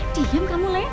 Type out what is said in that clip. diam kamu leh